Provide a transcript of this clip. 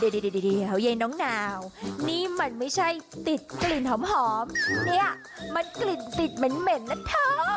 เดี๋ยวยายน้องนาวนี่มันไม่ใช่ติดกลิ่นหอมเนี่ยมันกลิ่นติดเหม็นนะเธอ